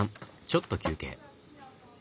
ちょっと休憩。